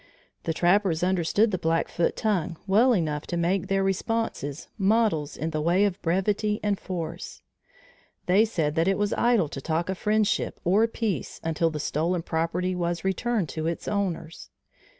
The trappers understood the Blackfoot tongue well enough to make their responses models in the way of brevity and force. They said that it was idle to talk of friendship or peace until the stolen property was returned to its owners.